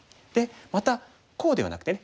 またこうではなくてね